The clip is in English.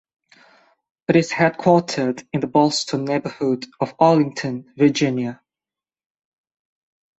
It is headquartered in the Ballston neighborhood of Arlington, Virginia.